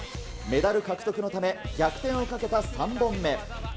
メダル獲得のため、逆転をかけた３本目。